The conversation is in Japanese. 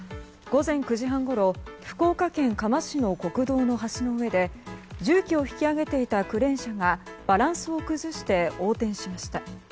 午前９時半ごろ福岡県嘉麻市の国道の橋の上で重機を引き上げていたクレーン車がバランスを崩して横転しました。